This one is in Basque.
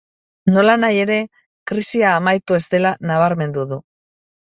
Nolanahi ere, krisia amaitu ez dela nabarmendu du.